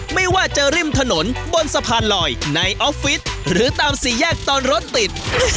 ไม่ว่าจะริมถนนบนสะพานลอยในออฟฟิศหรือตามสี่แยกตอนรถติด